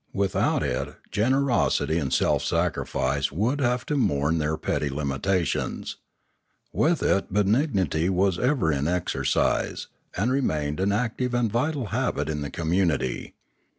Without it generosity and self sacrifice would have to mourn their petty limitations. With it be nignity was ever in exercise, and remained an active and vital habit in the community.